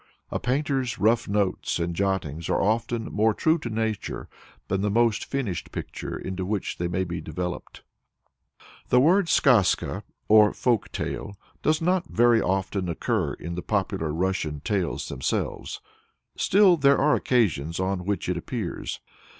A painter's rough notes and jottings are often more true to nature than the most finished picture into which they may be developed. The word skazka, or folk tale, does not very often occur in the Russian popular tales themselves. Still there are occasions on which it appears.